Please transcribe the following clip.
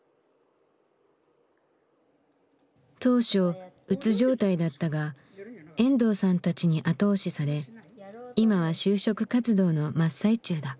当初うつ状態だったが遠藤さんたちに後押しされ今は就職活動の真っ最中だ。